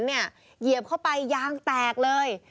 เหยียบเข้าไปยางแตกเลย